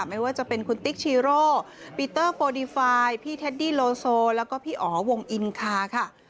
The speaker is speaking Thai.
ไม่ว่าจะเป็นคุณติ๊กชีโร่ปีเตอร์โฟดีไฟล์พี่เทดดี้โลโซแล้วก็พี่อ๋อวงอินคาค่ะ